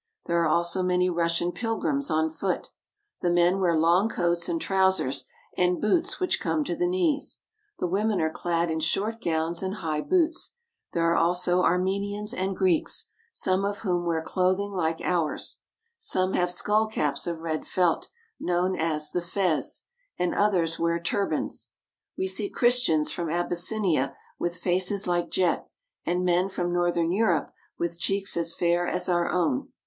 There are also many Russian pilgrims on foot. The men wear long coats and trousers and boots which come to the knees. The women are clad in short gowns and high boots. There are also Armenians and Greeks, ASIATIC TURKEY 357 some of whom wear clothing like ours. Some have skull caps of red felt, known as the fez, and others wear turbans. We see Christians from Abyssinia with faces like jet, and men from northern Europe with cheeks as fair as our own.